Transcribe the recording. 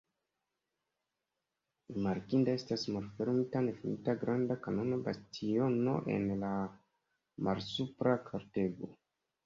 Rimarkinda estas malfermita nefinita granda kanona bastiono en la malsupra kortego.